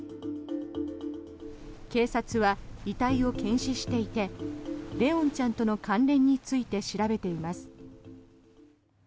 警察は遺体を検視していて怜音ちゃんとの関連について調べています。